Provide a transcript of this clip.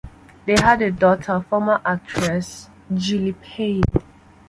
They had a daughter, former actress Julie Payne.